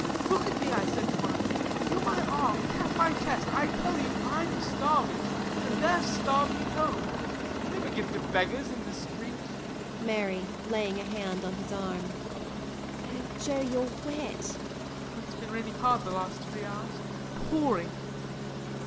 Look at me, I said to one of them. Feel my arm. Tap my chest. I tell you I'm starving, and they're starving at home. "Never give to beggars in the street." MARY. [Laying a hand on his arm.] Oh, Joe, you're wet! JOE. It's been raining hard the last three hours pouring.